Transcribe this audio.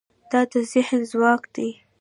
دا د ذهن ځواک دی.